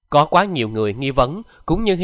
có quá nhiều người nghi vấn